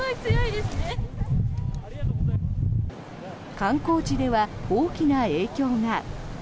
観光地では大きな影響が。